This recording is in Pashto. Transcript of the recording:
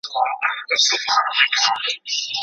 د پرمختیا په لار کي پرتې ستونزې باید حل سي.